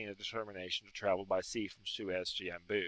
64]a determination to travel by sea from Suez to Yambu'.